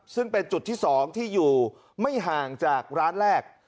ซึ่งเป็นจุดที่๒ที่อยู่ไม่ห่างจากร้านแรก